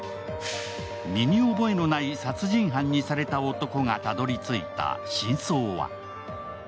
身に覚えのない殺人犯にされた男がたどり着いた真相は。